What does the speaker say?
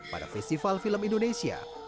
pada festival film indonesia